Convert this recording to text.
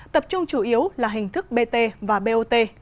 tập trung chủ yếu là hình thức bt và bot